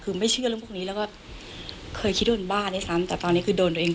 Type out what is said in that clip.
คือไม่เชื่อเรื่องพวกนี้แล้วก็เคยคิดโดนบ้าด้วยซ้ำแต่ตอนนี้คือโดนตัวเอง